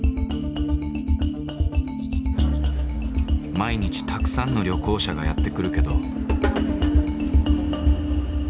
毎日たくさんの旅行者がやって来るけど。